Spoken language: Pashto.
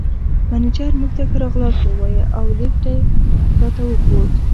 مېنېجر موږ ته ښه راغلاست ووایه او لېفټ یې راته وښود.